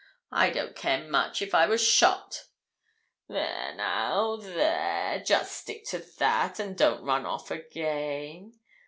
I don't care much if I was shot.' 'There now there just stick to that, and don't run off again.